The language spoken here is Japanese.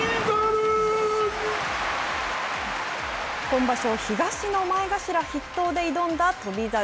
今場所、東の前頭筆頭で挑んだ翔猿。